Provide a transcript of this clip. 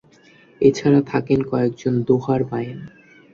এছাড়া থাকেন কয়েকজন দোহার-বায়েন।